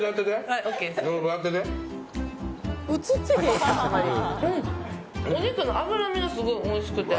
お肉の脂身がすごくおいしくて。